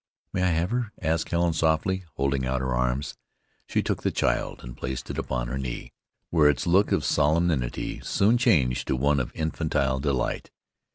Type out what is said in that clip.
"May I have her?" asked Helen softly, holding out her arms. She took the child, and placed it upon her knee where its look of solemnity soon changed to one of infantile delight.